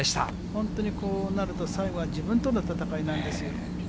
本当にこうなると、最後は自分との戦いなんですよ。